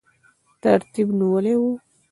ترتیب نیولی وو.